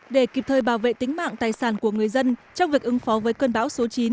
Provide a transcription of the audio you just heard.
để kịp thời bảo vệ tính mạng tài sản của người dân trong việc ứng phó với cơn bão số chín